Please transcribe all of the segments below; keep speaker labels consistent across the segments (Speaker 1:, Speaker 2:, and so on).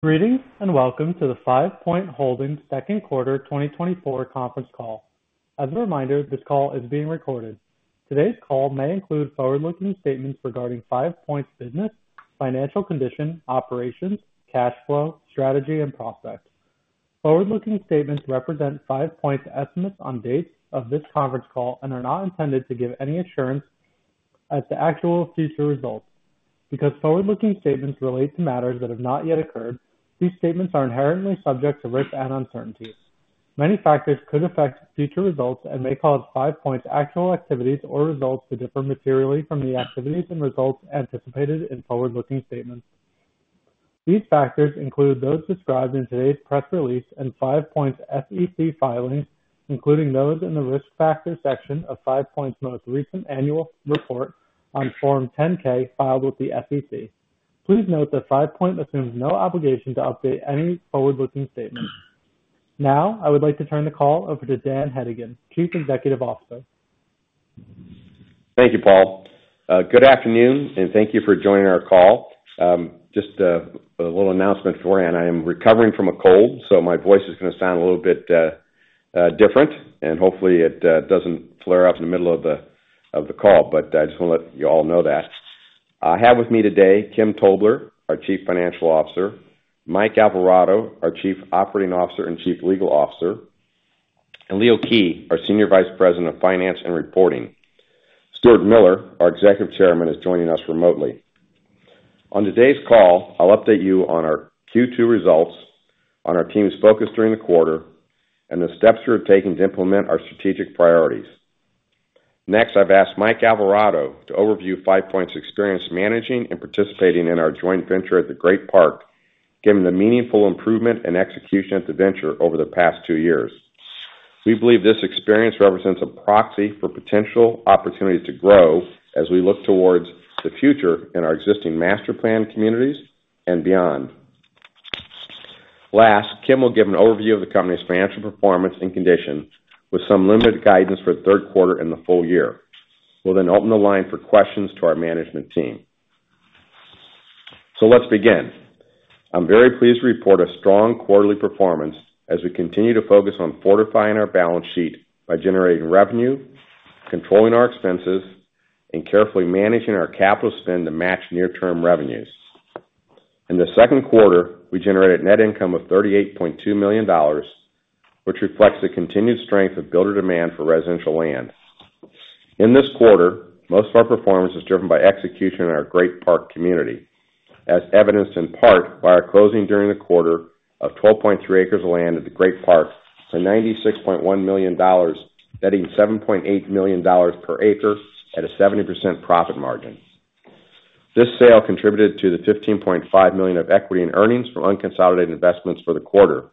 Speaker 1: ...Greetings, and welcome to the Five Point Holdings Second Quarter 2024 Conference Call. As a reminder, this call is being recorded. Today's call may include forward-looking statements regarding Five Point's business, financial condition, operations, cash flow, strategy, and prospects. Forward-looking statements represent Five Point's estimates on dates of this conference call and are not intended to give any assurance as to actual future results. Because forward-looking statements relate to matters that have not yet occurred, these statements are inherently subject to risk and uncertainties. Many factors could affect future results and may cause Five Point's actual activities or results to differ materially from the activities and results anticipated in forward-looking statements. These factors include those described in today's press release and Five Point's SEC filings, including those in the Risk Factors section of Five Point's most recent annual report on Form 10-K, filed with the SEC. Please note that Five Point assumes no obligation to update any forward-looking statements. Now, I would like to turn the call over to Dan Hedigan, Chief Executive Officer.
Speaker 2: Thank you, Paul. Good afternoon, and thank you for joining our call. Just a little announcement beforehand. I am recovering from a cold, so my voice is gonna sound a little bit different, and hopefully, it doesn't flare up in the middle of the call. But I just wanna let you all know that. I have with me today Kim Tobler, our Chief Financial Officer, Mike Alvarado, our Chief Operating Officer and Chief Legal Officer, and Leo Kij, our Senior Vice President of Finance and Reporting. Stuart Miller, our Executive Chairman, is joining us remotely. On today's call, I'll update you on our Q2 results, on our team's focus during the quarter, and the steps we're taking to implement our strategic priorities. Next, I've asked Mike Alvarado to overview Five Point's experience managing and participating in our joint venture at the Great Park, given the meaningful improvement and execution at the venture over the past two years. We believe this experience represents a proxy for potential opportunities to grow as we look towards the future in our existing master-planned communities and beyond. Last, Kim will give an overview of the company's financial performance and condition, with some limited guidance for the third quarter and the full year. We'll then open the line for questions to our management team. So let's begin. I'm very pleased to report a strong quarterly performance as we continue to focus on fortifying our balance sheet by generating revenue, controlling our expenses, and carefully managing our capital spend to match near-term revenues. In the second quarter, we generated net income of $38.2 million, which reflects the continued strength of builder demand for residential land. In this quarter, most of our performance is driven by execution in our Great Park community, as evidenced in part by our closing during the quarter of 12.3 acres of land at the Great Park for $96.1 million, netting $7.8 million per acre at a 70% profit margin. This sale contributed to the $15.5 million of equity and earnings from unconsolidated investments for the quarter.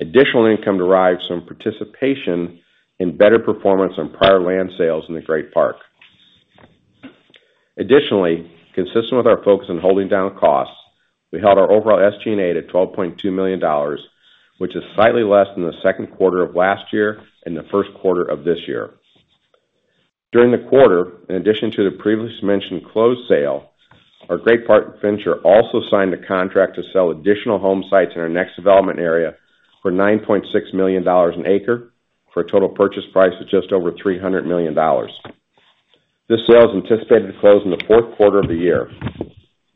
Speaker 2: Additional income derives from participation in better performance on prior land sales in the Great Park. Additionally, consistent with our focus on holding down costs, we held our overall SG&A at $12.2 million, which is slightly less than the second quarter of last year and the first quarter of this year. During the quarter, in addition to the previously mentioned closed sale, our Great Park Venture also signed a contract to sell additional home sites in our next development area for $9.6 million an acre, for a total purchase price of just over $300 million. This sale is anticipated to close in the fourth quarter of the year.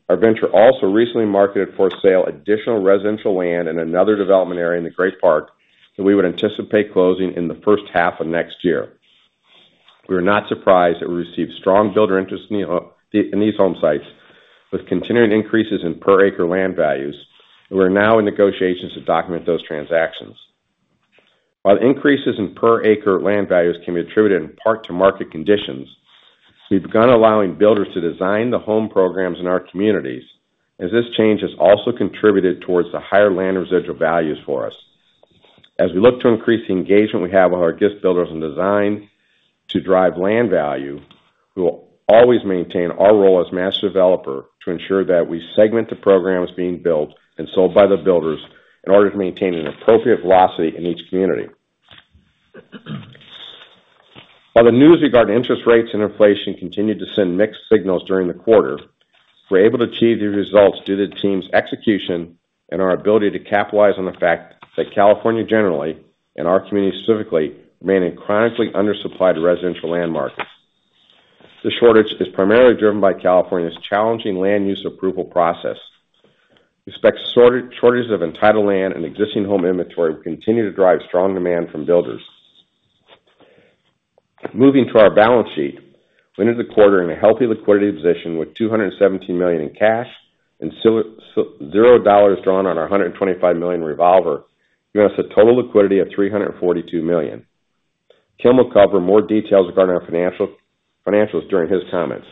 Speaker 2: Our venture also recently marketed for sale additional residential land in another development area in the Great Park, that we would anticipate closing in the first half of next year. We were not surprised that we received strong builder interest in these home sites, with continuing increases in per acre land values, and we're now in negotiations to document those transactions. While the increases in per acre land values can be attributed in part to market conditions, we've begun allowing builders to design the home programs in our communities, as this change has also contributed towards the higher land residual values for us. As we look to increase the engagement we have with our guest builders and design to drive land value, we will always maintain our role as master developer to ensure that we segment the programs being built and sold by the builders in order to maintain an appropriate velocity in each community. While the news regarding interest rates and inflation continued to send mixed signals during the quarter, we're able to achieve these results due to the team's execution and our ability to capitalize on the fact that California, generally, and our community, specifically, remain a chronically undersupplied residential land market. This shortage is primarily driven by California's challenging land use approval process. We expect shortages of entitled land and existing home inventory will continue to drive strong demand from builders. Moving to our balance sheet, we ended the quarter in a healthy liquidity position, with $217 million in cash and $0 drawn on our $125 million revolver, giving us a total liquidity of $342 million. Kim will cover more details regarding our financials during his comments.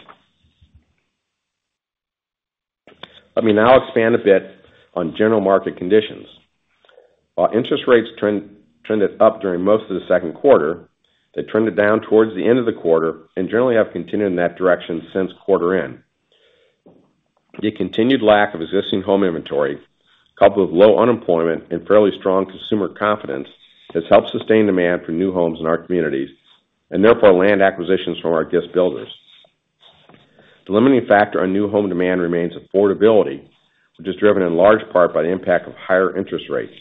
Speaker 2: Let me now expand a bit on general market conditions. While interest rates trended up during most of the second quarter, they trended down towards the end of the quarter and generally have continued in that direction since quarter end. The continued lack of existing home inventory, coupled with low unemployment and fairly strong consumer confidence, has helped sustain demand for new homes in our communities, and therefore land acquisitions from our home builders. The limiting factor on new home demand remains affordability, which is driven in large part by the impact of higher interest rates.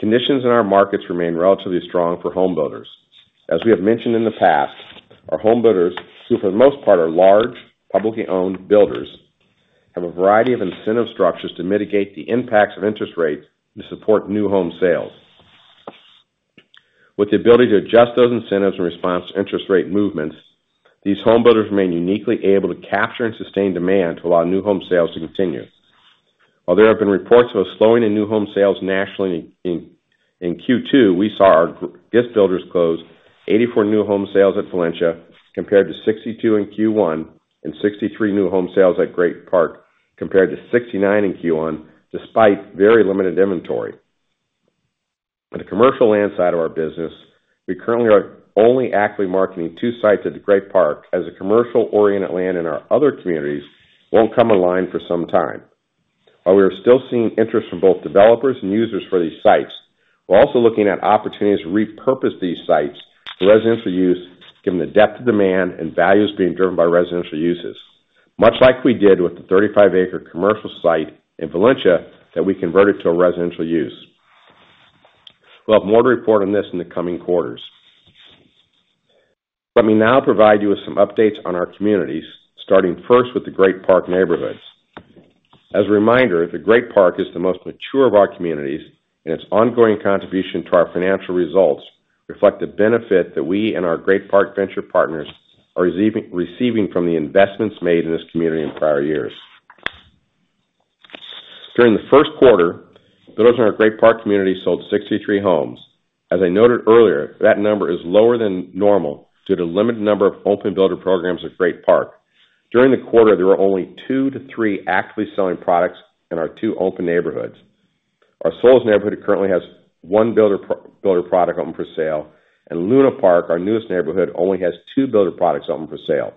Speaker 2: Conditions in our markets remain relatively strong for home builders. As we have mentioned in the past, our home builders, who for the most part, are large, publicly owned builders, have a variety of incentive structures to mitigate the impacts of interest rates to support new home sales. With the ability to adjust those incentives in response to interest rate movements, these home builders remain uniquely able to capture and sustain demand to allow new home sales to continue. While there have been reports of a slowing in new home sales nationally in Q2, we saw our guest builders close 84 new home sales at Valencia, compared to 62 in Q1, and 63 new home sales at Great Park, compared to 69 in Q1, despite very limited inventory. On the commercial land side of our business, we currently are only actively marketing two sites at the Great Park as a commercial-oriented land, and our other communities won't come online for some time. While we are still seeing interest from both developers and users for these sites, we're also looking at opportunities to repurpose these sites for residential use, given the depth of demand and values being driven by residential uses, much like we did with the 35-acre commercial site in Valencia that we converted to a residential use. We'll have more to report on this in the coming quarters. Let me now provide you with some updates on our communities, starting first with the Great Park Neighborhoods. As a reminder, the Great Park is the most mature of our communities, and its ongoing contribution to our financial results reflect the benefit that we and our Great Park Venture partners are receiving from the investments made in this community in prior years. During the first quarter, builders in our Great Park community sold 63 homes. As I noted earlier, that number is lower than normal due to the limited number of open builder programs at Great Park. During the quarter, there were only two to three actively selling products in our two open neighborhoods. Our Solis neighborhood currently has one builder product open for sale, and Luna Park, our newest neighborhood, only has two builder products open for sale.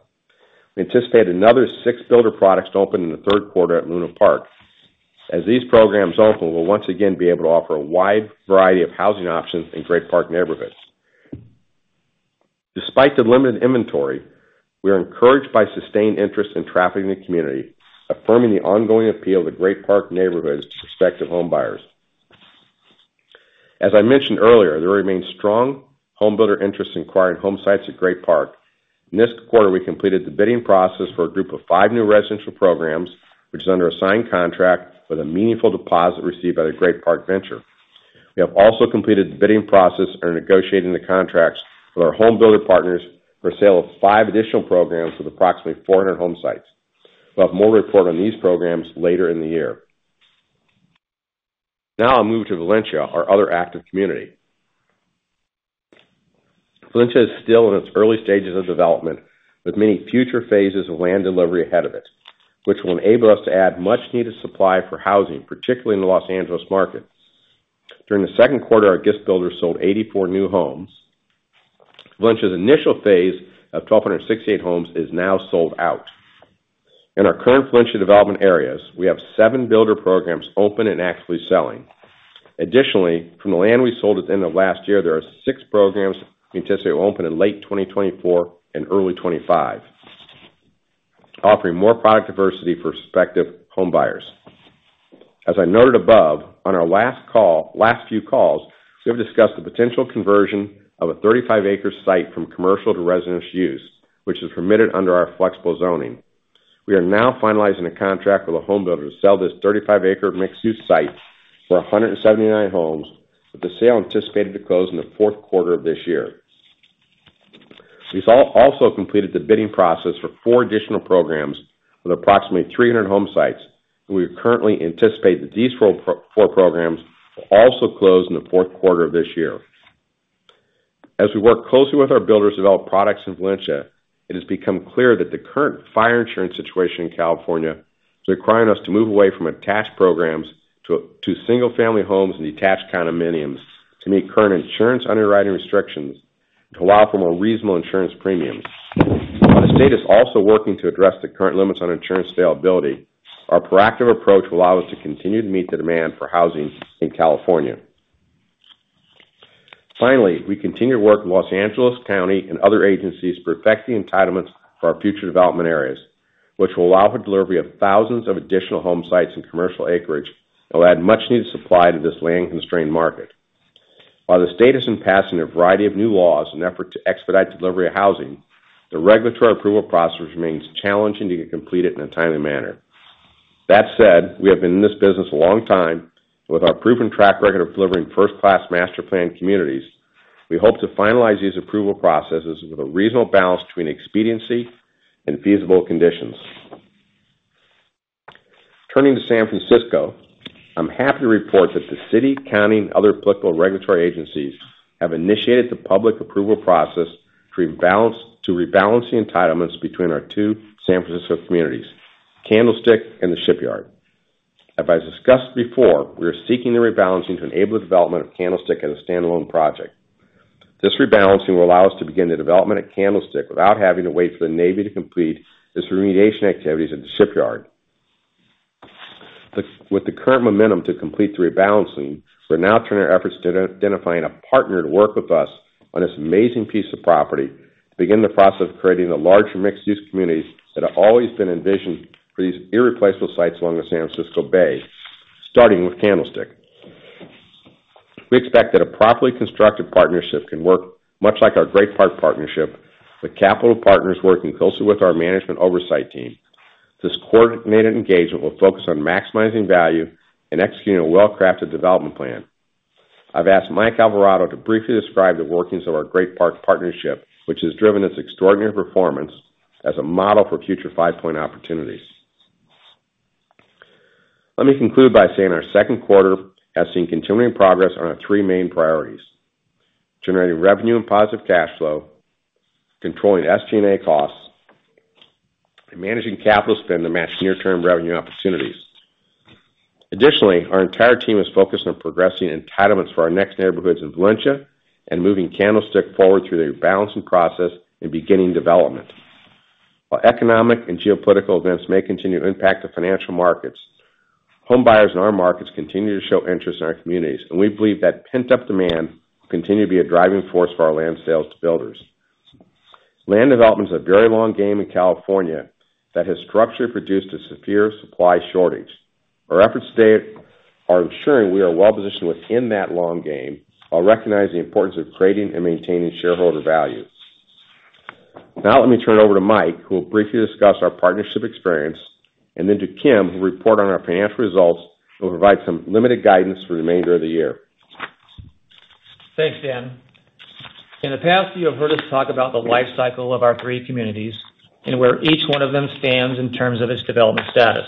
Speaker 2: We anticipate another six builder products to open in the third quarter at Luna Park. As these programs open, we'll once again be able to offer a wide variety of housing options in Great Park neighborhoods. Despite the limited inventory, we are encouraged by sustained interest in traffic in the community, affirming the ongoing appeal of the Great Park neighborhoods to prospective homebuyers. As I mentioned earlier, there remains strong homebuilder interest in acquiring home sites at Great Park. In this quarter, we completed the bidding process for a group of 5 new residential programs, which is under a signed contract with a meaningful deposit received by the Great Park Venture. We have also completed the bidding process and are negotiating the contracts with our home builder partners for a sale of 5 additional programs with approximately 400 home sites. We'll have more to report on these programs later in the year. Now I'll move to Valencia, our other active community. Valencia is still in its early stages of development, with many future phases of land delivery ahead of it, which will enable us to add much needed supply for housing, particularly in the Los Angeles market. During the second quarter, our guest builders sold 84 new homes. Valencia's initial phase of 1,268 homes is now sold out. In our current Valencia development areas, we have 7 builder programs open and actively selling. Additionally, from the land we sold at the end of last year, there are 6 programs we anticipate will open in late 2024 and early 2025, offering more product diversity for prospective homebuyers. As I noted above, on our last call-last few calls, we have discussed the potential conversion of a 35-acre site from commercial to residential use, which is permitted under our flexible zoning. We are now finalizing a contract with a home builder to sell this 35-acre mixed-use site for 179 homes, with the sale anticipated to close in the fourth quarter of this year. We've also completed the bidding process for 4 additional programs with approximately 300 home sites, and we currently anticipate that these 4 programs will also close in the fourth quarter of this year. As we work closely with our builders to develop products in Valencia, it has become clear that the current fire insurance situation in California is requiring us to move away from attached programs to single-family homes and detached condominiums to meet current insurance underwriting restrictions and to allow for more reasonable insurance premiums. While the state is also working to address the current limits on insurance availability, our proactive approach will allow us to continue to meet the demand for housing in California. Finally, we continue to work with Los Angeles County and other agencies to perfect the entitlements for our future development areas, which will allow for delivery of thousands of additional home sites and commercial acreage and will add much needed supply to this land-constrained market. While the state is passing a variety of new laws in effort to expedite delivery of housing, the regulatory approval process remains challenging to get completed in a timely manner. That said, we have been in this business a long time, and with our proven track record of delivering first-class master planned communities, we hope to finalize these approval processes with a reasonable balance between expediency and feasible conditions. Turning to San Francisco, I'm happy to report that the city, county, and other applicable regulatory agencies have initiated the public approval process to rebalance the entitlements between our two San Francisco communities, Candlestick and the Shipyard. As I discussed before, we are seeking the rebalancing to enable the development of Candlestick as a standalone project. This rebalancing will allow us to begin the development at Candlestick without having to wait for the Navy to complete its remediation activities at the Shipyard.... With the current momentum to complete the rebalancing, we're now turning our efforts to identifying a partner to work with us on this amazing piece of property, to begin the process of creating the larger mixed-use communities that have always been envisioned for these irreplaceable sites along the San Francisco Bay, starting with Candlestick. We expect that a properly constructed partnership can work much like our Great Park partnership, with capital partners working closely with our management oversight team. This coordinated engagement will focus on maximizing value and executing a well-crafted development plan. I've asked Mike Alvarado to briefly describe the workings of our Great Park partnership, which has driven this extraordinary performance as a model for future Five Point opportunities. Let me conclude by saying our second quarter has seen continuing progress on our three main priorities: generating revenue and positive cash flow, controlling SG&A costs, and managing capital spend to match near-term revenue opportunities. Additionally, our entire team is focused on progressing entitlements for our next neighborhoods in Valencia and moving Candlestick forward through the rebalancing process and beginning development. While economic and geopolitical events may continue to impact the financial markets, homebuyers in our markets continue to show interest in our communities, and we believe that pent-up demand will continue to be a driving force for our land sales to builders. Land development is a very long game in California that has structurally produced a severe supply shortage. Our efforts today are ensuring we are well-positioned within that long game, while recognizing the importance of creating and maintaining shareholder value. Now let me turn it over to Mike, who will briefly discuss our partnership experience, and then to Kim, who will report on our financial results and provide some limited guidance for the remainder of the year.
Speaker 3: Thanks, Dan. In the past, you have heard us talk about the life cycle of our three communities and where each one of them stands in terms of its development status.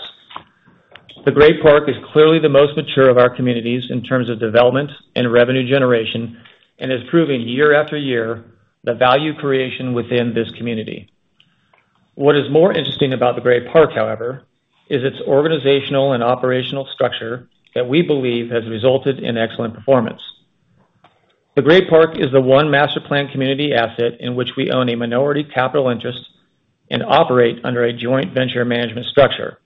Speaker 3: The Great Park is clearly the most mature of our communities in terms of development and revenue generation, and is proving year after year, the value creation within this community. What is more interesting about the Great Park, however, is its organizational and operational structure that we believe has resulted in excellent performance. The Great Park is the one master planned community asset in which we own a minority capital interest and operate under a joint venture management structure.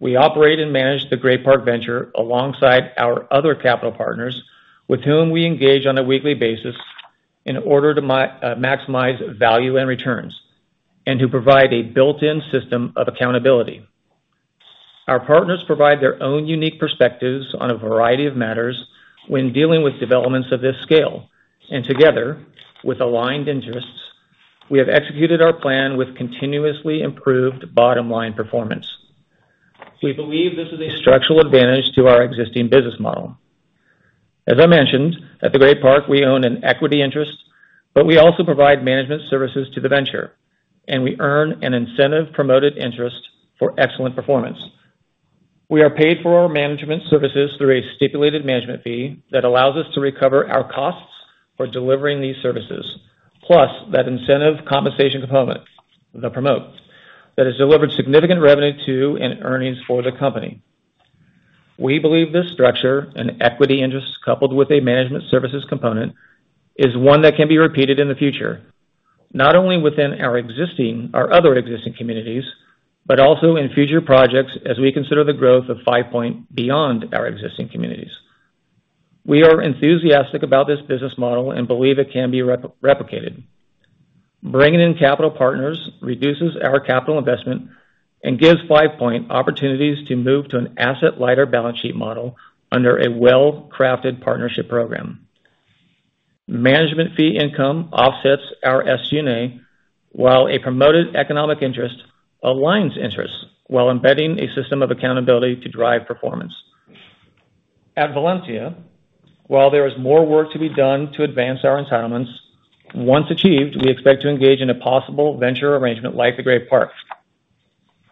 Speaker 3: We operate and manage the Great Park Venture alongside our other capital partners, with whom we engage on a weekly basis in order to maximize value and returns, and who provide a built-in system of accountability. Our partners provide their own unique perspectives on a variety of matters when dealing with developments of this scale, and together, with aligned interests, we have executed our plan with continuously improved bottom-line performance. We believe this is a structural advantage to our existing business model. As I mentioned, at the Great Park, we own an equity interest, but we also provide management services to the venture, and we earn an incentive-promoted interest for excellent performance. We are paid for our management services through a stipulated management fee that allows us to recover our costs for delivering these services, plus that incentive compensation component, the promote, that has delivered significant revenue to and earnings for the company. We believe this structure and equity interest, coupled with a management services component, is one that can be repeated in the future, not only within our other existing communities, but also in future projects as we consider the growth of Five Point beyond our existing communities. We are enthusiastic about this business model and believe it can be replicated. Bringing in capital partners reduces our capital investment and gives Five Point opportunities to move to an asset-lighter balance sheet model under a well-crafted partnership program. Management fee income offsets our SG&A, while a promoted economic interest aligns interests, while embedding a system of accountability to drive performance. At Valencia, while there is more work to be done to advance our entitlements, once achieved, we expect to engage in a possible venture arrangement like the Great Park.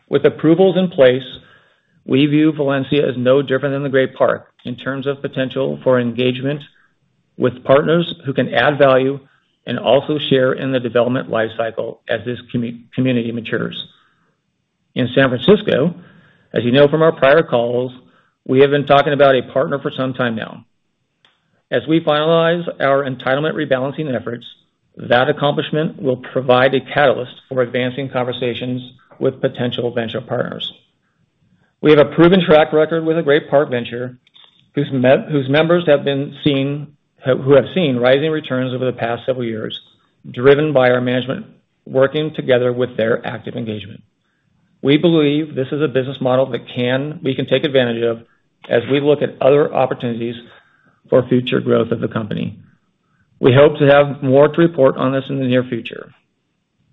Speaker 3: With approvals in place, we view Valencia as no different than the Great Park in terms of potential for engagement with partners who can add value and also share in the development life cycle as this community matures. In San Francisco, as you know from our prior calls, we have been talking about a partner for some time now. As we finalize our entitlement rebalancing efforts, that accomplishment will provide a catalyst for advancing conversations with potential venture partners. We have a proven track record with the Great Park Venture, whose members have seen rising returns over the past several years, driven by our management, working together with their active engagement. We believe this is a business model that we can take advantage of as we look at other opportunities for future growth of the company. We hope to have more to report on this in the near future.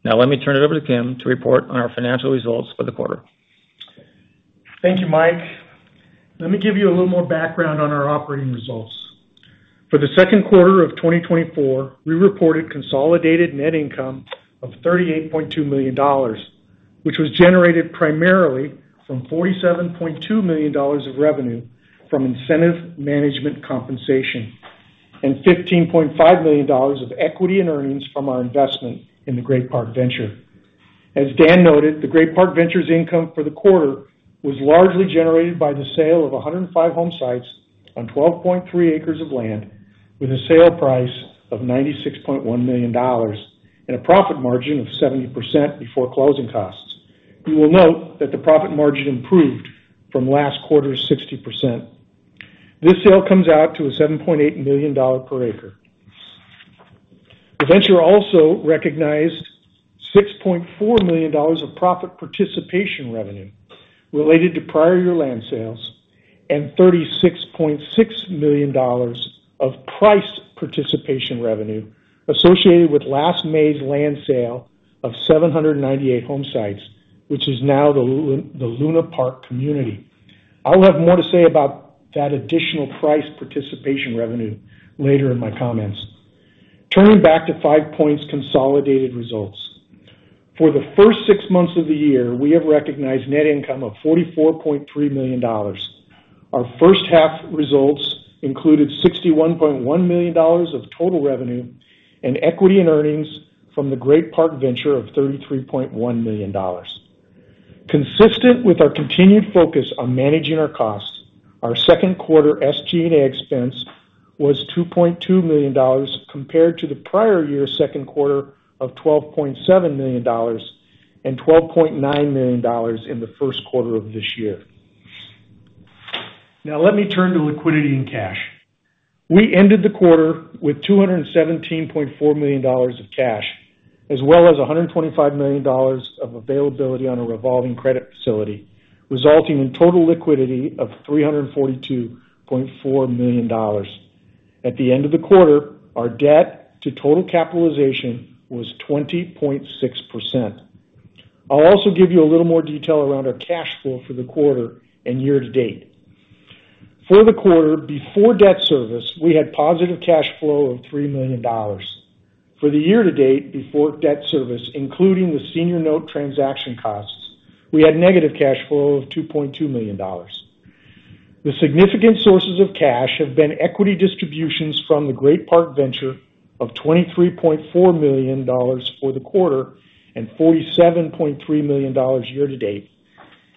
Speaker 3: Now, let me turn it over to Kim to report on our financial results for the quarter.
Speaker 4: Thank you, Mike. Let me give you a little more background on our operating results. For the second quarter of 2024, we reported consolidated net income of $38.2 million, which was generated primarily from $47.2 million of revenue from incentive management compensation and $15.5 million of equity and earnings from our investment in the Great Park Venture. As Dan noted, the Great Park Venture's income for the quarter was largely generated by the sale of 105 home sites on 12.3 acres of land.... with a sale price of $96.1 million and a profit margin of 70% before closing costs. You will note that the profit margin improved from last quarter's 60%. This sale comes out to a $7.8 million per acre. The venture also recognized $6.4 million of profit participation revenue related to prior year land sales, and $36.6 million of price participation revenue associated with last May's land sale of 798 home sites, which is now the Luna Park community. I'll have more to say about that additional price participation revenue later in my comments. Turning back to Five Point's consolidated results. For the first six months of the year, we have recognized net income of $44.3 million. Our first half results included $61.1 million of total revenue and equity in earnings from the Great Park Venture of $33.1 million. Consistent with our continued focus on managing our costs, our second quarter SG&A expense was $2.2 million, compared to the prior year second quarter of $12.7 million, and $12.9 million in the first quarter of this year. Now, let me turn to liquidity and cash. We ended the quarter with $217.4 million of cash, as well as $125 million of availability on a revolving credit facility, resulting in total liquidity of $342.4 million. At the end of the quarter, our debt to total capitalization was 20.6%. I'll also give you a little more detail around our cash flow for the quarter and year to date. For the quarter, before debt service, we had positive cash flow of $3 million. For the year to date, before debt service, including the senior note transaction costs, we had negative cash flow of $2.2 million. The significant sources of cash have been equity distributions from the Great Park Venture of $23.4 million for the quarter and $47.3 million year to date,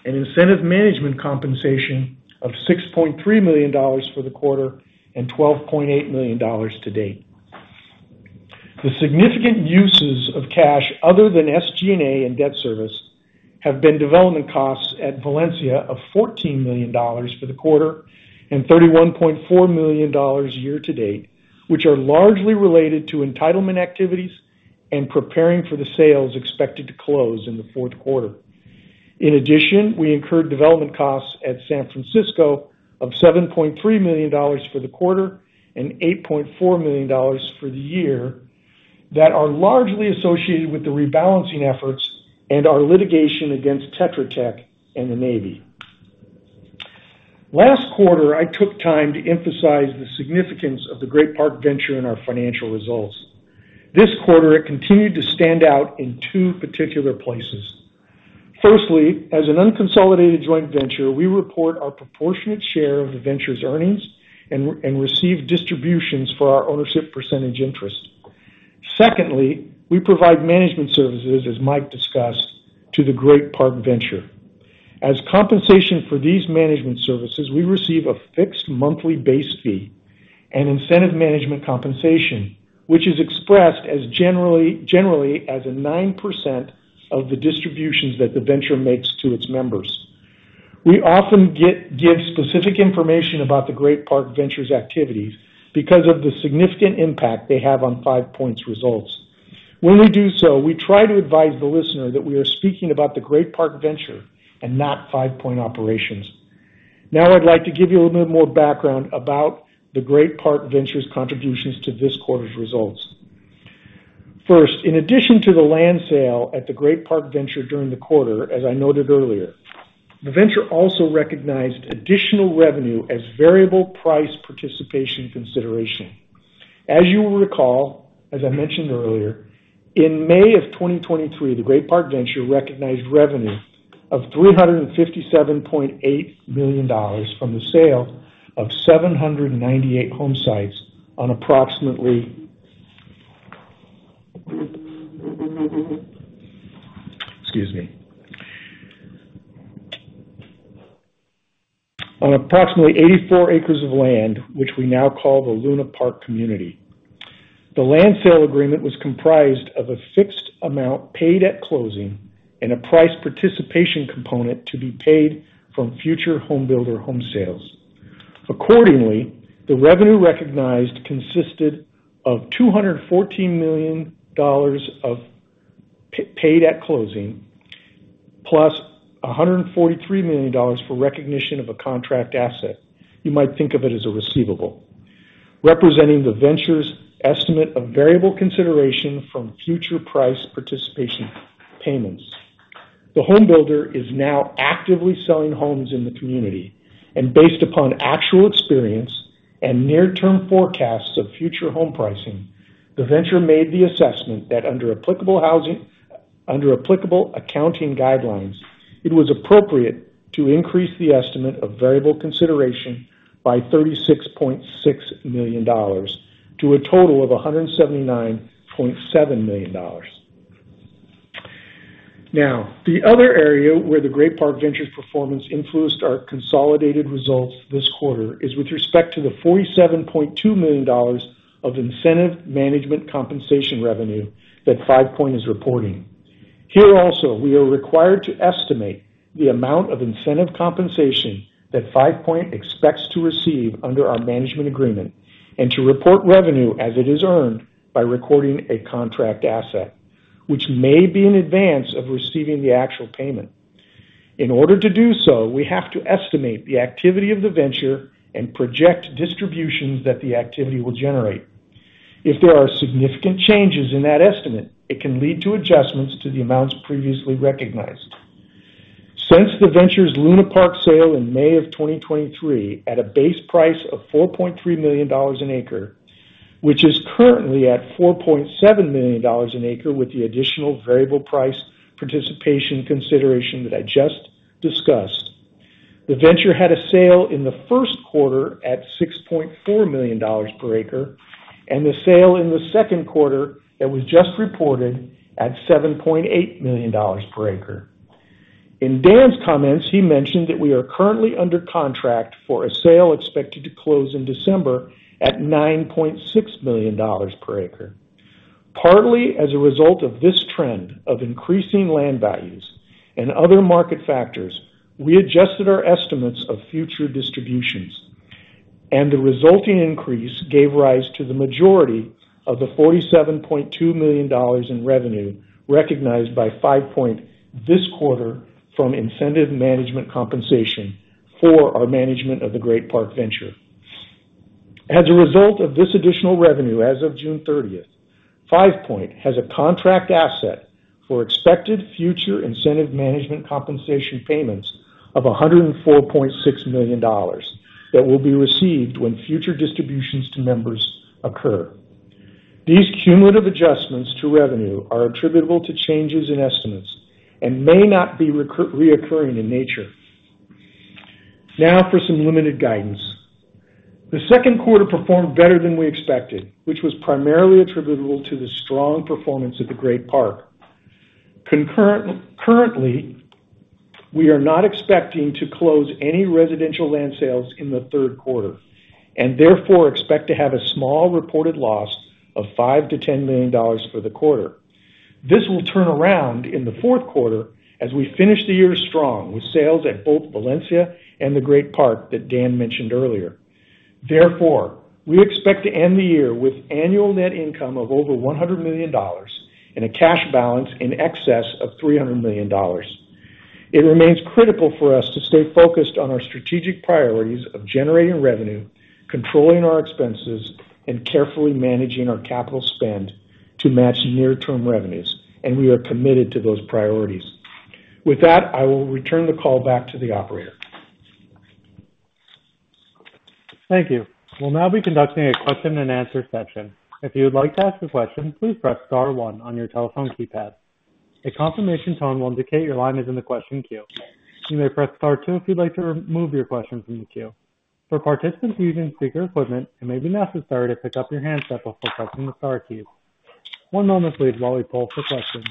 Speaker 4: and incentive management compensation of $6.3 million for the quarter and $12.8 million to date. The significant uses of cash other than SG&A and debt service have been development costs at Valencia of $14 million for the quarter and $31.4 million year to date, which are largely related to entitlement activities and preparing for the sales expected to close in the fourth quarter. In addition, we incurred development costs at San Francisco of $7.3 million for the quarter and $8.4 million for the year, that are largely associated with the rebalancing efforts and our litigation against Tetra Tech and the Navy. Last quarter, I took time to emphasize the significance of the Great Park Venture in our financial results. This quarter, it continued to stand out in two particular places. Firstly, as an unconsolidated joint venture, we report our proportionate share of the venture's earnings and and receive distributions for our ownership percentage interest. Secondly, we provide management services, as Mike discussed, to the Great Park Venture. As compensation for these management services, we receive a fixed monthly base fee and incentive management compensation, which is expressed as generally as a 9% of the distributions that the venture makes to its members. We often give specific information about the Great Park Venture's activities because of the significant impact they have on Five Point's results. When we do so, we try to advise the listener that we are speaking about the Great Park Venture and not Five Point operations. Now, I'd like to give you a little bit more background about the Great Park Venture's contributions to this quarter's results. First, in addition to the land sale at the Great Park Venture during the quarter, as I noted earlier, the venture also recognized additional revenue as variable price participation consideration. As you will recall, as I mentioned earlier, in May of 2023, the Great Park Venture recognized revenue of $357.8 million from the sale of 798 home sites on approximately... Excuse me. On approximately 84 acres of land, which we now call the Luna Park Community. The land sale agreement was comprised of a fixed amount paid at closing and a price participation component to be paid from future home builder home sales. Accordingly, the revenue recognized consisted of $214 million paid at closing, plus $143 million for recognition of a contract asset. You might think of it as a receivable, representing the venture's estimate of variable consideration from future price participation payments. The home builder is now actively selling homes in the community, and based upon actual experience and near-term forecasts of future home pricing, the venture made the assessment that under applicable accounting guidelines, it was appropriate to increase the estimate of variable consideration by $36.6 million, to a total of $179.7 million. Now, the other area where the Great Park Venture's performance influenced our consolidated results this quarter is with respect to the $47.2 million of incentive management compensation revenue that Five Point is reporting. Here also, we are required to estimate the amount of incentive management compensation that Five Point expects to receive under our management agreement and to report revenue as it is earned by recording a contract asset, which may be in advance of receiving the actual payment. In order to do so, we have to estimate the activity of the venture and project distributions that the activity will generate. If there are significant changes in that estimate, it can lead to adjustments to the amounts previously recognized. Since the venture's Luna Park sale in May of 2023, at a base price of $4.3 million an acre, which is currently at $4.7 million an acre, with the additional variable price participation consideration that I just discussed, the venture had a sale in the first quarter at $6.4 million per acre and the sale in the second quarter that was just reported at $7.8 million per acre. In Dan's comments, he mentioned that we are currently under contract for a sale expected to close in December at $9.6 million per acre. Partly as a result of this trend of increasing land values and other market factors, we adjusted our estimates of future distributions, and the resulting increase gave rise to the majority of the $47.2 million in revenue recognized by Five Point this quarter from incentive management compensation for our management of the Great Park Venture. As a result of this additional revenue, as of June thirtieth, Five Point has a contract asset for expected future incentive management compensation payments of $104.6 million that will be received when future distributions to members occur. These cumulative adjustments to revenue are attributable to changes in estimates and may not be recurring in nature. Now, for some limited guidance. The second quarter performed better than we expected, which was primarily attributable to the strong performance of the Great Park. Currently, we are not expecting to close any residential land sales in the third quarter, and therefore expect to have a small reported loss of $5-$10 million for the quarter. This will turn around in the fourth quarter as we finish the year strong, with sales at both Valencia and the Great Park that Dan mentioned earlier. Therefore, we expect to end the year with annual net income of over $100 million and a cash balance in excess of $300 million. It remains critical for us to stay focused on our strategic priorities of generating revenue, controlling our expenses, and carefully managing our capital spend to match near-term revenues, and we are committed to those priorities. With that, I will return the call back to the operator.
Speaker 1: Thank you. We'll now be conducting a question and answer session. If you would like to ask a question, please press star one on your telephone keypad. A confirmation tone will indicate your line is in the question queue. You may press star two if you'd like to remove your question from the queue. For participants using speaker equipment, it may be necessary to pick up your handset before pressing the star keys. One moment, please, while we pull for questions.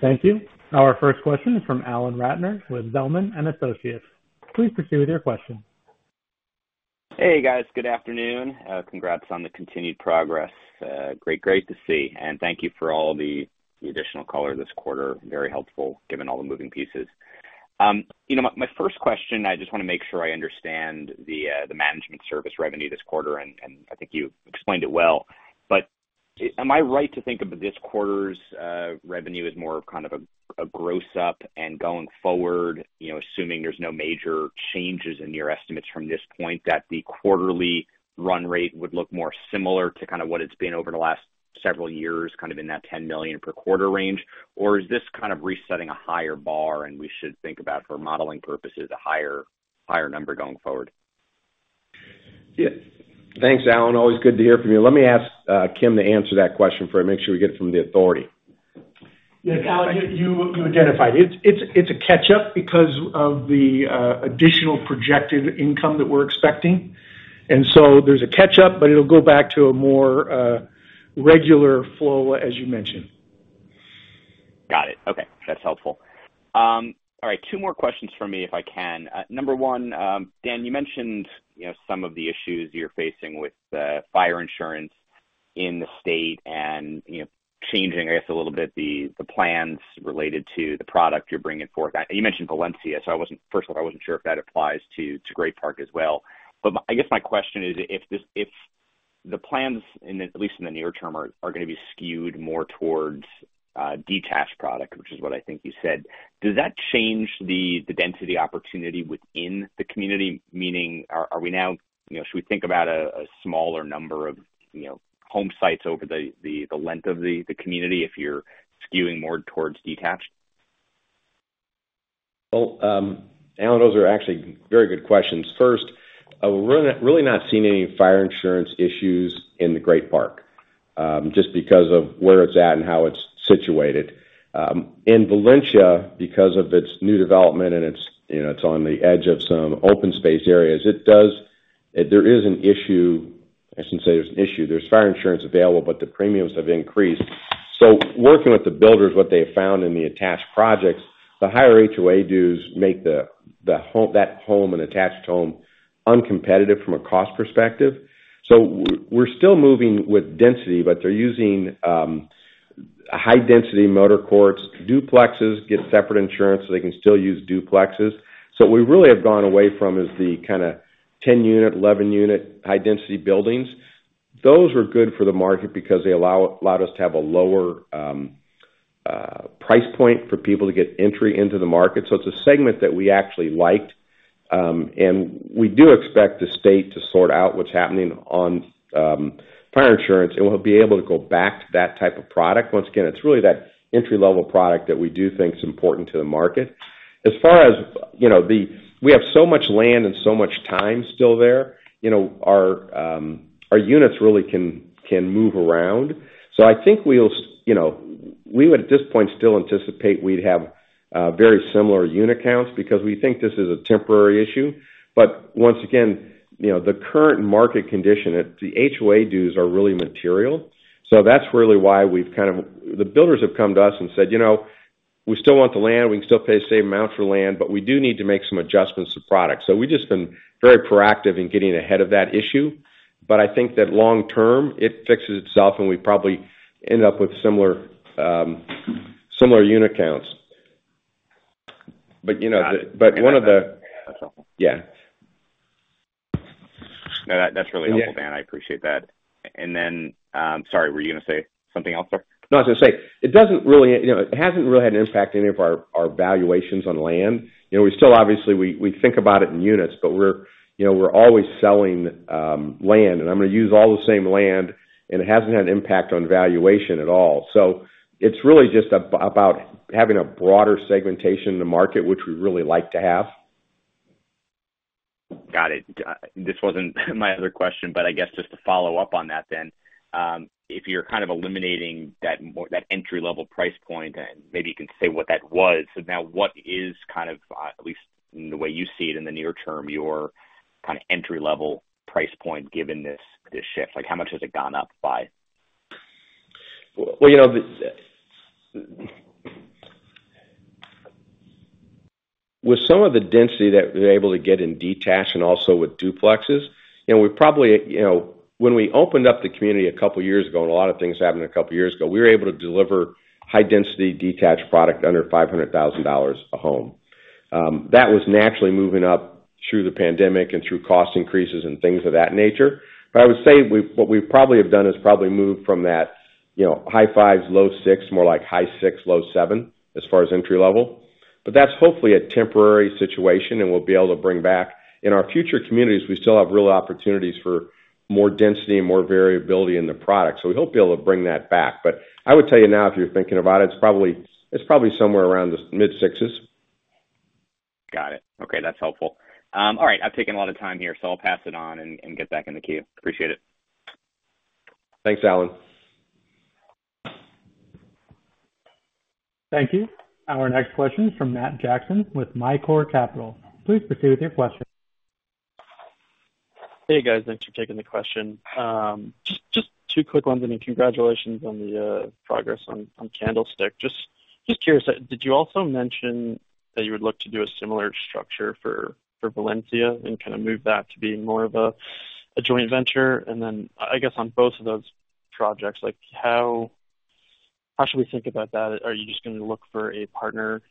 Speaker 1: Thank you. Our first question is from Alan Ratner with Zelman & Associates. Please proceed with your question.
Speaker 5: Hey, guys. Good afternoon. Congrats on the continued progress. Great, great to see, and thank you for all the additional color this quarter. Very helpful, given all the moving pieces. You know, my first question, I just want to make sure I understand the management service revenue this quarter, and I think you explained it well. But am I right to think of this quarter's revenue as more of kind of a gross up and going forward, you know, assuming there's no major changes in your estimates from this point, that the quarterly run rate would look more similar to kind of what it's been over the last several years, kind of in that $10 million per quarter range? Or is this kind of resetting a higher bar, and we should think about, for modeling purposes, a higher, higher number going forward?
Speaker 2: Yeah. Thanks, Alan. Always good to hear from you. Let me ask Kim to answer that question for me, make sure we get it from the authority.
Speaker 4: Yeah, Alan, you, you identified it. It's, it's a catch up because of the additional projected income that we're expecting. And so there's a catch up, but it'll go back to a more regular flow, as you mentioned.
Speaker 5: Got it. Okay, that's helpful. All right, two more questions from me, if I can. Number one, Dan, you mentioned, you know, some of the issues you're facing with fire insurance in the state and, you know, changing, I guess, a little bit, the plans related to the product you're bringing forth. You mentioned Valencia, so I wasn't personally, I wasn't sure if that applies to Great Park as well. But I guess my question is, if the plans, and at least in the near term, are gonna be skewed more towards detached product, which is what I think you said, does that change the density opportunity within the community? Meaning, are we now, you know, should we think about a smaller number of, you know, home sites over the length of the community if you're skewing more towards detached?
Speaker 2: Well, Alan, those are actually very good questions. First, we're really not seeing any fire insurance issues in the Great Park. Just because of where it's at and how it's situated. In Valencia, because of its new development and it's, you know, it's on the edge of some open space areas, it does, there is an issue. I shouldn't say there's an issue. There's fire insurance available, but the premiums have increased. So working with the builders, what they found in the attached projects, the higher HOA dues make the, the home, that home, an attached home, uncompetitive from a cost perspective. So we're still moving with density, but they're using high-density motor courts. Duplexes get separate insurance, so they can still use duplexes. So what we really have gone away from is the kind of 10-unit, 11-unit, high-density buildings. Those were good for the market because they allow, allowed us to have a lower price point for people to get entry into the market. So it's a segment that we actually liked. And we do expect the state to sort out what's happening on fire insurance, and we'll be able to go back to that type of product. Once again, it's really that entry-level product that we do think is important to the market. As far as, you know, we have so much land and so much time still there, you know, our units really can move around. So I think we'll, you know, we would, at this point, still anticipate we'd have very similar unit counts because we think this is a temporary issue. But once again, you know, the current market condition, at the HOA dues, are really material. So that's really why we've kind of... The builders have come to us and said, "You know, we still want the land. We can still pay the same amount for land, but we do need to make some adjustments to product." So we've just been very proactive in getting ahead of that issue. But I think that long term, it fixes itself, and we probably end up with similar, similar unit counts. But, you know, but one of the-
Speaker 5: That's helpful.
Speaker 2: Yeah.
Speaker 5: No, that, that's really helpful, Dan. I appreciate that. And then, sorry, were you gonna say something else though?
Speaker 2: No, I was gonna say, it doesn't really, you know, it hasn't really had an impact any of our valuations on land. You know, we still obviously, we think about it in units, but we're, you know, we're always selling land, and I'm gonna use all the same land, and it hasn't had an impact on valuation at all. So it's really just about having a broader segmentation in the market, which we really like to have.
Speaker 5: Got it. This wasn't my other question, but I guess just to follow up on that then, if you're kind of eliminating that more that entry-level price point, and maybe you can say what that was, so now what is kind of, at least in the way you see it in the near term, your kind of entry-level price point, given this, this shift? Like, how much has it gone up by?
Speaker 2: Well, you know, with some of the density that we're able to get in detached and also with duplexes, you know, we probably, you know, when we opened up the community a couple of years ago, and a lot of things happened a couple of years ago, we were able to deliver high-density, detached product under $500,000 a home. That was naturally moving up through the pandemic and through cost increases and things of that nature. But I would say, what we probably have done is probably moved from that, you know, high fives, low six, more like high six, low seven, as far as entry level. But that's hopefully a temporary situation, and we'll be able to bring back. In our future communities, we still have real opportunities for more density and more variability in the product, so we hope be able to bring that back. But I would tell you now, if you're thinking about it, it's probably, it's probably somewhere around the mid sixes.
Speaker 5: Got it. Okay, that's helpful. All right. I've taken a lot of time here, so I'll pass it on and, and get back in the queue. Appreciate it.
Speaker 2: Thanks, Alan.
Speaker 1: Thank you. Our next question is from Matt Jackson with Mycor Capital. Please proceed with your question.
Speaker 6: Hey, guys. Thanks for taking the question. Just, just two quick ones, and then congratulations on the progress on Candlestick. Just, just curious, did you also mention that you would look to do a similar structure for Valencia and kind of move that to being more of a joint venture? And then, I guess, on both of those projects, like, how should we think about that? Are you just gonna look for a partner,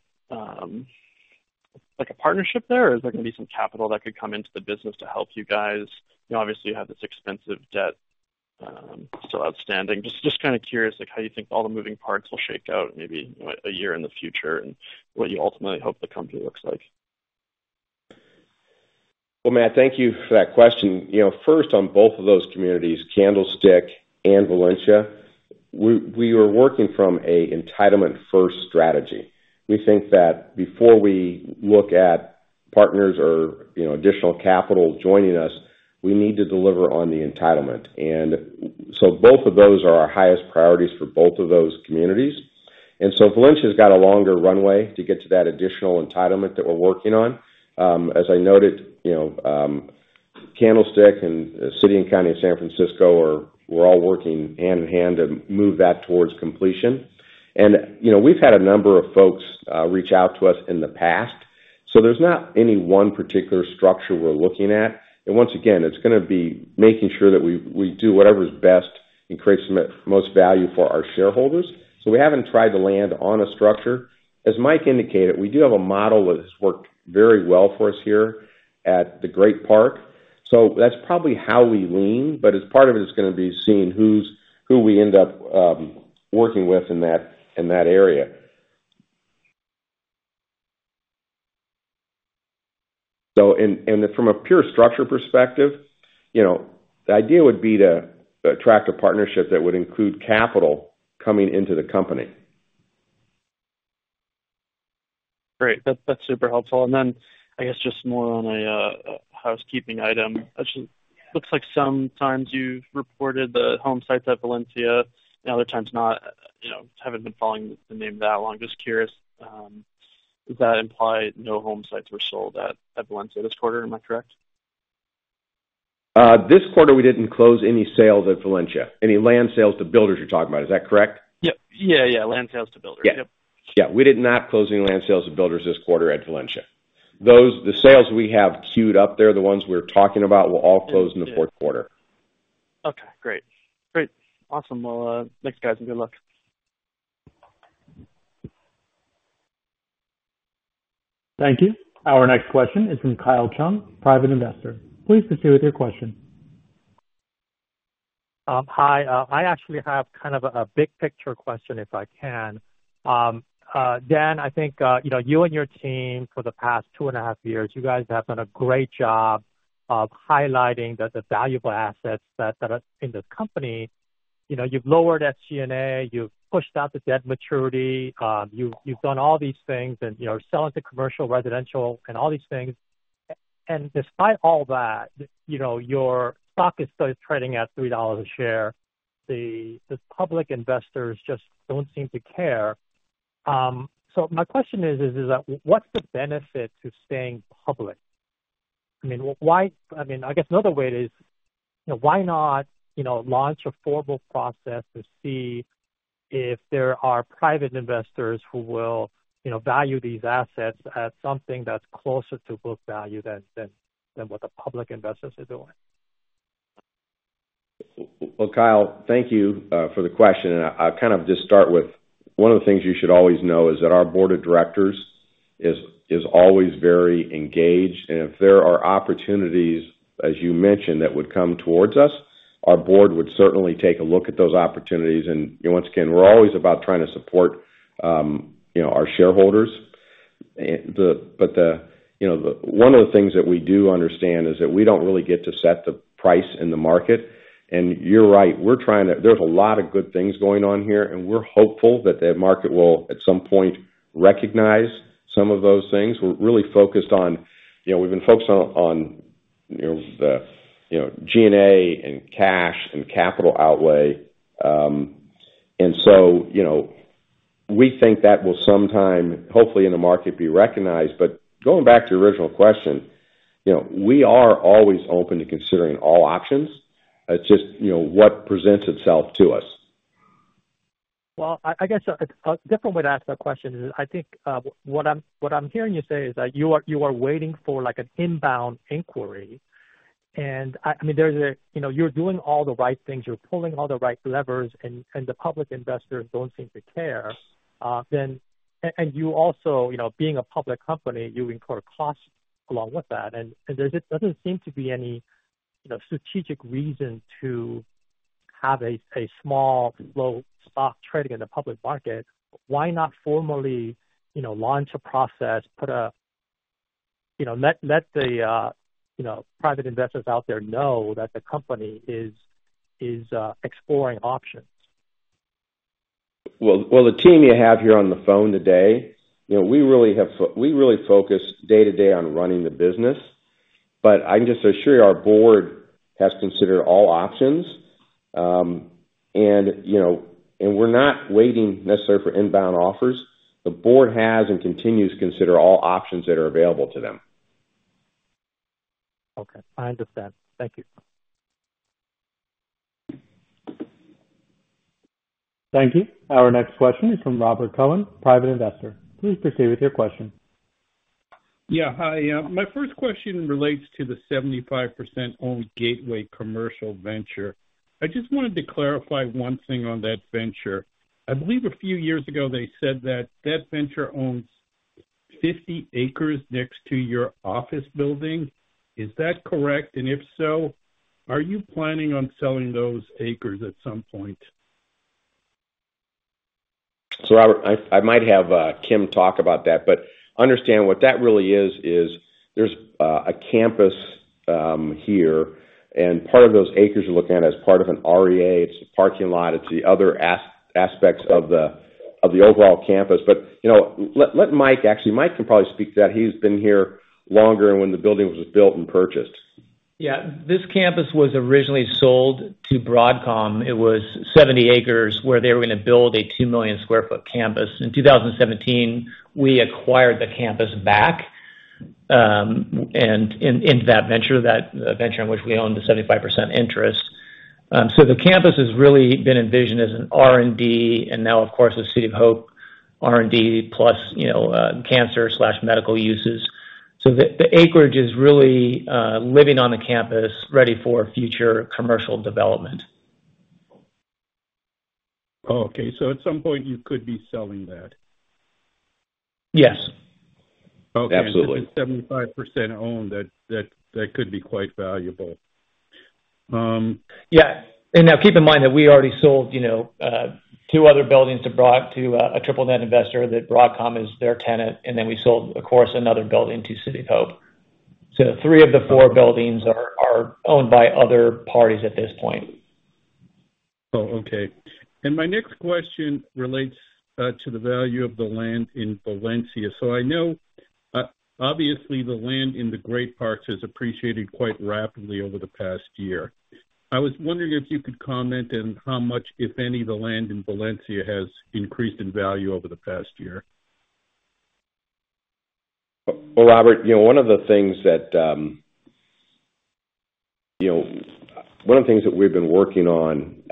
Speaker 6: like, a partnership there, or is there gonna be some capital that could come into the business to help you guys? You know, obviously, you have this expensive debt still outstanding. Just, just kind of curious, like, how you think all the moving parts will shake out, maybe a year in the future, and what you ultimately hope the company looks like.
Speaker 2: Well, Matt, thank you for that question. You know, first, on both of those communities, Candlestick and Valencia, we are working from a entitlement-first strategy. We think that before we look at partners or, you know, additional capital joining us, we need to deliver on the entitlement. And so both of those are our highest priorities for both of those communities. And so Valencia's got a longer runway to get to that additional entitlement that we're working on. As I noted, you know, Candlestick and the city and county of San Francisco are—we're all working hand in hand to move that towards completion. And, you know, we've had a number of folks reach out to us in the past, so there's not any one particular structure we're looking at. And once again, it's gonna be making sure that we do whatever is best and creates the most value for our shareholders. So we haven't tried to land on a structure. As Mike indicated, we do have a model that has worked very well for us here at the Great Park, so that's probably how we lean, but as part of it is gonna be seeing who we end up working with in that, in that area. So, and from a pure structure perspective, you know, the idea would be to attract a partnership that would include capital coming into the company....
Speaker 6: Great. That's, that's super helpful. And then, I guess, just more on a housekeeping item. It just looks like sometimes you've reported the home sites at Valencia and other times not. You know, haven't been following the name that long. Just curious, does that imply no home sites were sold at Valencia this quarter? Am I correct?
Speaker 2: This quarter, we didn't close any sales at Valencia. Any land sales to builders, you're talking about, is that correct?
Speaker 6: Yep. Yeah, yeah, land sales to builders.
Speaker 2: Yeah.
Speaker 6: Yep.
Speaker 2: Yeah, we did not close any land sales to builders this quarter at Valencia. Those, the sales we have queued up there, the ones we're talking about, will all close in the fourth quarter.
Speaker 6: Okay, great. Great. Awesome. Well, thanks, guys, and good luck.
Speaker 1: Thank you. Our next question is from Kyle Chung, private investor. Please proceed with your question.
Speaker 7: Hi. I actually have kind of a big picture question, if I can. Dan, I think you know, you and your team, for the past 2.5 years, you guys have done a great job of highlighting the valuable assets that are in the company. You know, you've lowered SG&A, you've pushed out the debt maturity, you've done all these things and, you know, selling to commercial, residential, and all these things. And despite all that, you know, your stock is still trading at $3 a share. The public investors just don't seem to care. So my question is, what's the benefit to staying public? I mean, why... I mean, I guess another way is, you know, why not, you know, launch a formal process to see if there are private investors who will, you know, value these assets at something that's closer to book value than what the public investors are doing?
Speaker 2: Well, Kyle, thank you for the question, and I kind of just start with one of the things you should always know is that our board of directors is always very engaged, and if there are opportunities, as you mentioned, that would come towards us, our board would certainly take a look at those opportunities. And once again, we're always about trying to support, you know, our shareholders. But you know, one of the things that we do understand is that we don't really get to set the price in the market. And you're right, we're trying to. There's a lot of good things going on here, and we're hopeful that the market will, at some point, recognize some of those things. We're really focused on, you know, we've been focused on, you know, the, you know, SG&A and cash and capital outlay. And so, you know, we think that will sometime, hopefully in the market, be recognized. But going back to your original question, you know, we are always open to considering all options. It's just, you know, what presents itself to us.
Speaker 7: Well, I guess a different way to ask that question is, I think, what I'm hearing you say is that you are waiting for, like, an inbound inquiry. And I mean, there's a, you know, you're doing all the right things, you're pulling all the right levers, and the public investors don't seem to care, then. And you also, you know, being a public company, you incur costs along with that, and there doesn't seem to be any, you know, strategic reason to have a small, low stock trading in the public market. Why not formally, you know, launch a process, put a, you know, let the, you know, private investors out there know that the company is exploring options?
Speaker 2: Well, well, the team you have here on the phone today, you know, we really focus day-to-day on running the business. But I can just assure you, our board has considered all options. You know, we're not waiting necessarily for inbound offers. The board has and continues to consider all options that are available to them.
Speaker 7: Okay, I understand. Thank you.
Speaker 1: Thank you. Our next question is from Robert Cohen, private investor. Please proceed with your question.
Speaker 8: Yeah, hi. My first question relates to the 75%-owned Gateway Commercial Venture. I just wanted to clarify one thing on that venture. I believe a few years ago, they said that that venture owns 50 acres next to your office building. Is that correct? And if so, are you planning on selling those acres at some point?
Speaker 2: So, Robert, I might have Kim talk about that, but understand what that really is, is there's a campus here, and part of those acres you're looking at is part of an REA. It's a parking lot, it's the other aspects of the overall campus. But, you know, let Mike actually, Mike can probably speak to that. He's been here longer and when the building was built and purchased.
Speaker 3: Yeah, this campus was originally sold to Broadcom. It was 70 acres where they were gonna build a 2 million sq ft campus. In 2017, we acquired the campus back, and into that venture, that venture in which we own the 75% interest. So the campus has really been envisioned as an R&D, and now, of course, a City of Hope R&D plus, you know, cancer/medical uses. So the acreage is really lying on the campus, ready for future commercial development.
Speaker 8: Okay, so at some point you could be selling that?
Speaker 6: Yes.
Speaker 2: Absolutely.
Speaker 8: Okay. 75% owned, that could be quite valuable.
Speaker 6: Yeah, and now keep in mind that we already sold, you know, two other buildings to a triple net investor, that Broadcom is their tenant, and then we sold, of course, another building to City of Hope. So the three of the four buildings are owned by other parties at this point....
Speaker 8: Oh, okay. And my next question relates to the value of the land in Valencia. So I know, obviously, the land in the Great Park has appreciated quite rapidly over the past year. I was wondering if you could comment on how much, if any, of the land in Valencia has increased in value over the past year?
Speaker 2: Well, well, Robert, you know, one of the things that, you know, one of the things that we've been working on,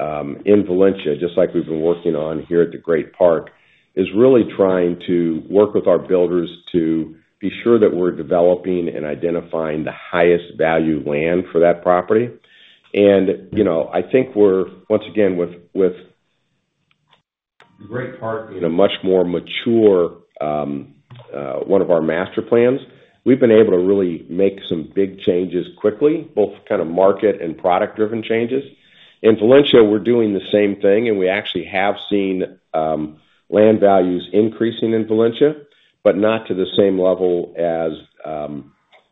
Speaker 2: in Valencia, just like we've been working on here at the Great Park, is really trying to work with our builders to be sure that we're developing and identifying the highest value land for that property. And, you know, I think we're, once again, with, with Great Park in a much more mature, one of our master plans, we've been able to really make some big changes quickly, both kind of market and product-driven changes. In Valencia, we're doing the same thing, and we actually have seen, land values increasing in Valencia, but not to the same level as,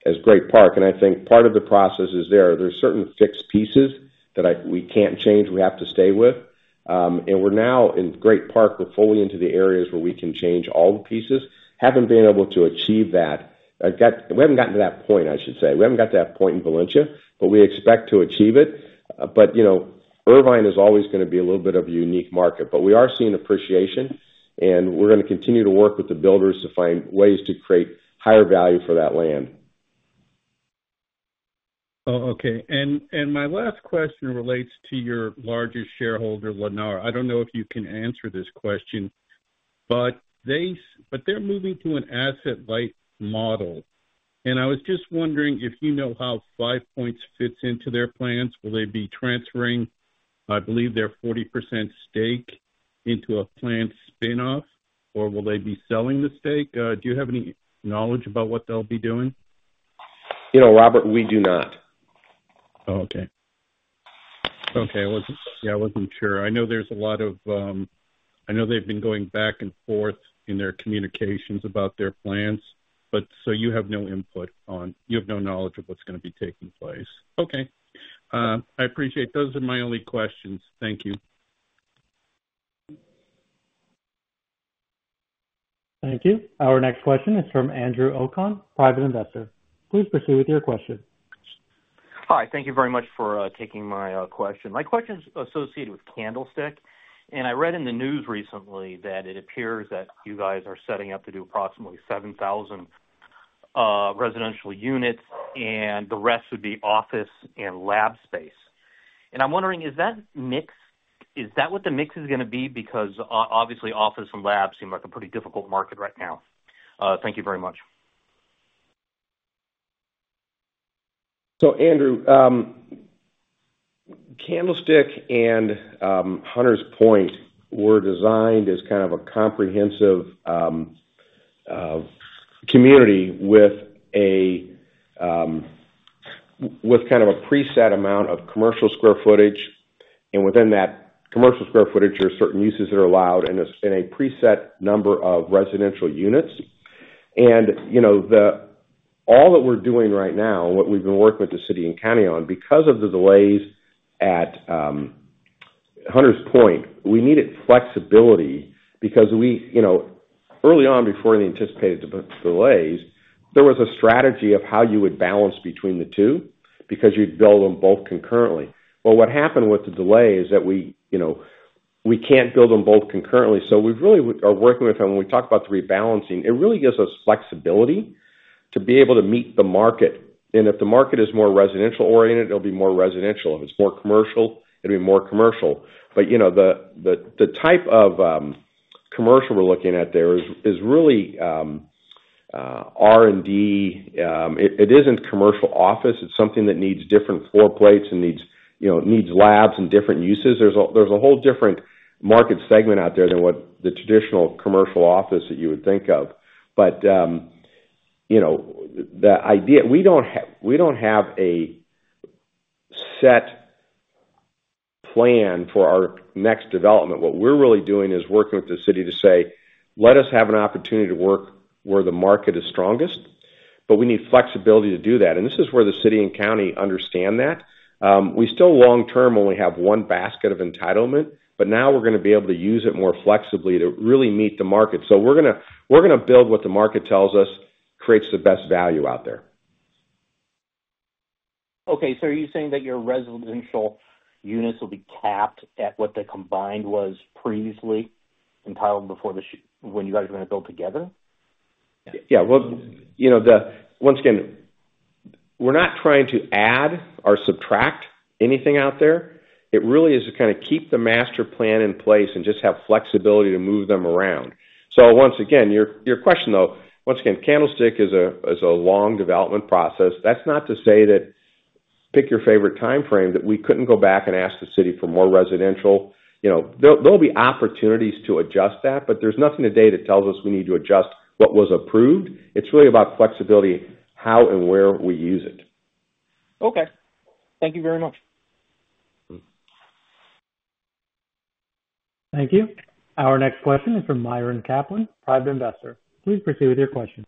Speaker 2: as Great Park. And I think part of the process is there. There are certain fixed pieces that we can't change, we have to stay with. And we're now in Great Park, we're fully into the areas where we can change all the pieces. Haven't been able to achieve that. We haven't gotten to that point, I should say. We haven't got to that point in Valencia, but we expect to achieve it. But, you know, Irvine is always gonna be a little bit of a unique market, but we are seeing appreciation, and we're gonna continue to work with the builders to find ways to create higher value for that land.
Speaker 8: Oh, okay. And my last question relates to your largest shareholder, Lennar. I don't know if you can answer this question, but they're moving to an asset-light model, and I was just wondering if you know how Five Point fits into their plans. Will they be transferring, I believe, their 40% stake into a planned spin-off, or will they be selling the stake? Do you have any knowledge about what they'll be doing?
Speaker 2: You know, Robert, we do not.
Speaker 8: Oh, okay. Okay, well, yeah, I wasn't sure. I know there's a lot of. I know they've been going back and forth in their communications about their plans, but so you have no input on—you have no knowledge of what's gonna be taking place? Okay. I appreciate. Those are my only questions. Thank you.
Speaker 1: Thank you. Our next question is from Andrew Okun, private investor. Please proceed with your question.
Speaker 9: Hi, thank you very much for taking my question. My question is associated with Candlestick, and I read in the news recently that it appears that you guys are setting up to do approximately 7,000 residential units, and the rest would be office and lab space. And I'm wondering, is that mix, is that what the mix is gonna be? Because obviously, office and labs seem like a pretty difficult market right now. Thank you very much.
Speaker 2: So, Andrew, Candlestick and Hunters Point were designed as kind of a comprehensive community with kind of a preset amount of commercial square footage, and within that commercial square footage, there are certain uses that are allowed in a preset number of residential units. You know, all that we're doing right now, what we've been working with the city and county on, because of the delays at Hunters Point, we needed flexibility because, you know, early on, before the anticipated delays, there was a strategy of how you would balance between the two because you'd build them both concurrently. But what happened with the delay is that we, you know, we can't build them both concurrently. So we really are working with them. When we talk about the rebalancing, it really gives us flexibility to be able to meet the market. And if the market is more residential-oriented, it'll be more residential. If it's more commercial, it'll be more commercial. But, you know, the type of commercial we're looking at there is really R&D. It isn't commercial office. It's something that needs different floor plates and needs, you know, labs and different uses. There's a whole different market segment out there than what the traditional commercial office that you would think of. But, you know, the idea... We don't have a set plan for our next development. What we're really doing is working with the city to say, "Let us have an opportunity to work where the market is strongest, but we need flexibility to do that." This is where the city and county understand that. We still long term only have one basket of entitlement, but now we're gonna be able to use it more flexibly to really meet the market. So we're gonna, we're gonna build what the market tells us creates the best value out there.
Speaker 9: Okay, so are you saying that your residential units will be capped at what the combined was previously entitled before when you guys were going to build together?
Speaker 2: Yeah, well, you know, once again, we're not trying to add or subtract anything out there. It really is to kind of keep the master plan in place and just have flexibility to move them around. So once again, your question, though, once again, Candlestick is a long development process. That's not to say that, pick your favorite time frame, that we couldn't go back and ask the city for more residential. You know, there will be opportunities to adjust that, but there's nothing today that tells us we need to adjust what was approved. It's really about flexibility, how and where we use it.
Speaker 9: Okay. Thank you very much.
Speaker 2: Hmm.
Speaker 1: Thank you. Our next question is from Myron Kaplan, private investor. Please proceed with your question.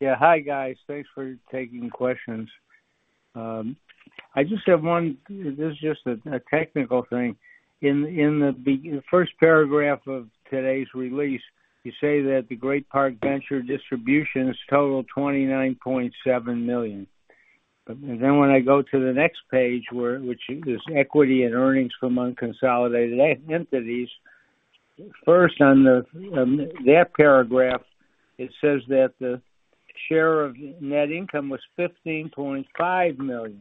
Speaker 10: Yeah. Hi, guys. Thanks for taking questions. I just have one. This is just a technical thing. In the first paragraph of today's release, you say that the Great Park Venture distribution is total $29.7 million. But then when I go to the next page, which is equity and earnings from unconsolidated entities, first, on that paragraph, it says that the share of net income was $15.5 million.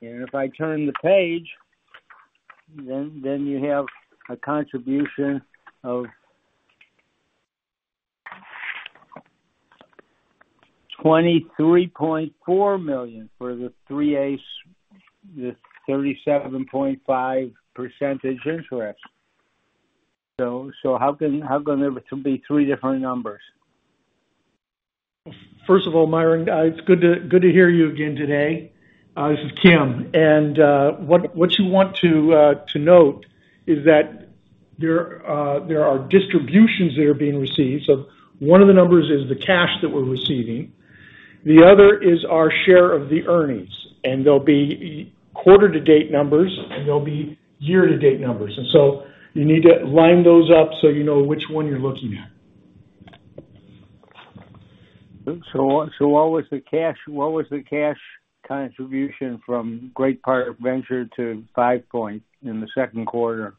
Speaker 10: And if I turn the page, then you have a contribution of $23.4 million for the 3/8, the 37.5% interest. So how can there be three different numbers?
Speaker 4: First of all, Myron, it's good to hear you again today. This is Kim. What you want to note is that there are distributions that are being received. So one of the numbers is the cash that we're receiving. The other is our share of the earnings, and there'll be quarter-to-date numbers, and there'll be year-to-date numbers, and so you need to line those up so you know which one you're looking at.
Speaker 10: So, what was the cash contribution from Great Park Venture to Five Point in the second quarter?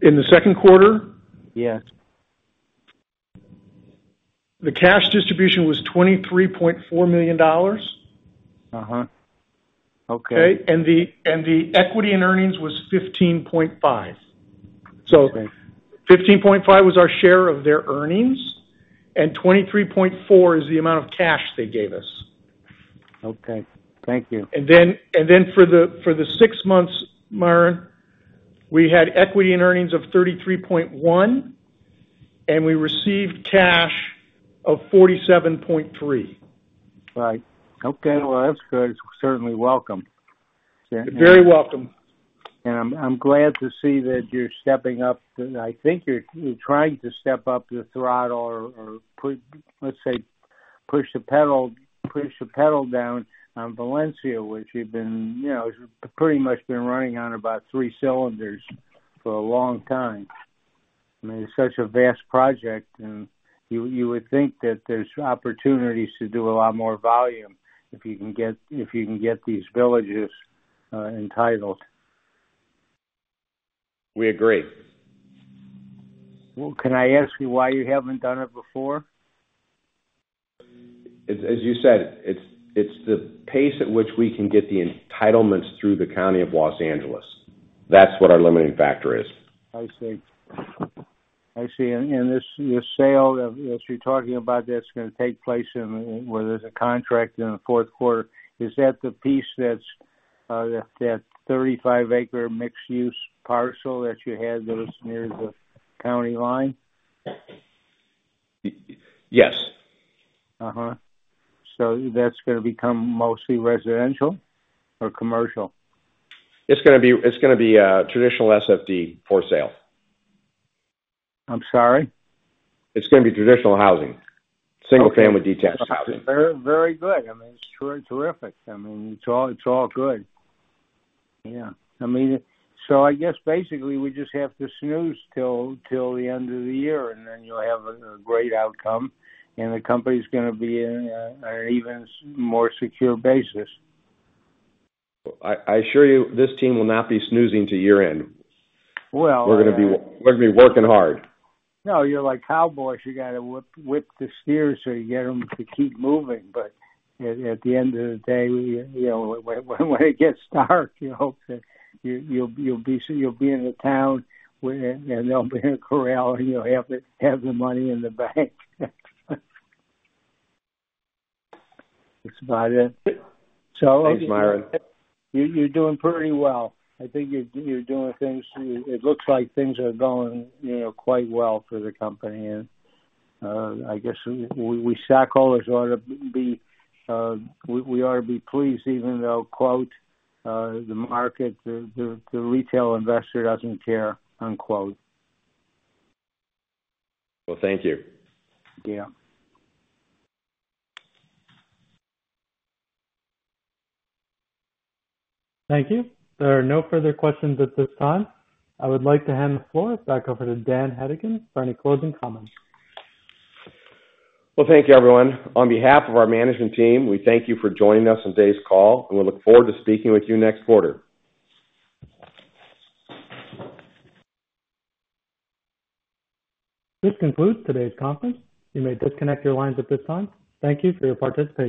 Speaker 4: In the second quarter?
Speaker 10: Yes.
Speaker 4: The cash distribution was $23.4 million. Uh-huh. Okay. The equity and earnings was $15.5.
Speaker 10: Okay.
Speaker 4: So $15.5 was our share of their earnings, and $23.4 is the amount of cash they gave us.
Speaker 10: Okay, thank you.
Speaker 4: And then for the six months, Myron, we had equity and earnings of $33.1, and we received cash of $47.3.
Speaker 10: Right. Okay, well, that's good. It's certainly welcome.
Speaker 4: Very welcome.
Speaker 10: I'm glad to see that you're stepping up, and I think you're trying to step up the throttle or put... Let's say, push the pedal down on Valencia, which you've been, you know, pretty much been running on about three cylinders for a long time. I mean, it's such a vast project, and you would think that there's opportunities to do a lot more volume if you can get these villages entitled.
Speaker 2: We agree.
Speaker 10: Well, can I ask you why you haven't done it before?
Speaker 2: As you said, it's the pace at which we can get the entitlements through the county of Los Angeles. That's what our limiting factor is.
Speaker 10: I see. I see. And this sale that you're talking about, that's gonna take place in... where there's a contract in the fourth quarter, is that the piece that's that 35-acre mixed-use parcel that you had that was near the county line?
Speaker 2: Yes. Uh-huh. So that's gonna become mostly residential or commercial? It's gonna be, it's gonna be, traditional SFD for sale.
Speaker 10: I'm sorry?
Speaker 2: It's gonna be traditional housing.
Speaker 10: Okay.
Speaker 2: Single-family detached housing.
Speaker 10: Very, very good. I mean, it's terrific. I mean, it's all, it's all good. Yeah. I mean, so I guess basically we just have to snooze till the end of the year, and then you'll have a great outcome, and the company's gonna be in an even more secure basis.
Speaker 2: I assure you, this team will not be snoozing till year-end.
Speaker 10: Well-
Speaker 2: We're gonna be, we're gonna be working hard.
Speaker 10: No, you're like cowboys. You gotta whip the steers so you get them to keep moving, but at the end of the day, you know, when it gets dark, you hope that you'll be in the town where... and there'll be a corral, and you'll have the money in the bank. That's about it. So-
Speaker 2: Thanks, Myron.
Speaker 10: You, you're doing pretty well. I think you're doing things... It looks like things are going, you know, quite well for the company. I guess we stockholders ought to be pleased, even though, quote, "the market, the retail investor doesn't care," unquote.
Speaker 2: Well, thank you.
Speaker 10: Yeah.
Speaker 1: Thank you. There are no further questions at this time. I would like to hand the floor back over to Dan Hedigan for any closing comments.
Speaker 2: Well, thank you, everyone. On behalf of our management team, we thank you for joining us on today's call, and we look forward to speaking with you next quarter.
Speaker 1: This concludes today's conference. You may disconnect your lines at this time. Thank you for your participation.